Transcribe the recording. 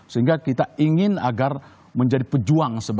sehingga kita ingin agar menjadi pejuang